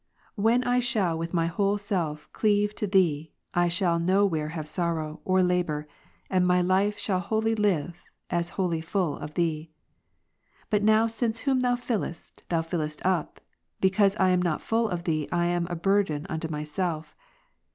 When I shall with my whole self cleave to Thee, I shall no where have sorrow, or labour ; and my life shall wholly live, as wholly full of Thee. But now since whom Thou fillest, Thou liftest up, because I am not full of Thee I am a burthen to myself.